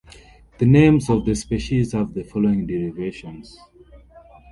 The names of the species have the following derivations.